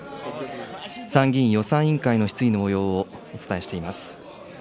参議院予算委員会の質疑のもようをお伝えしています。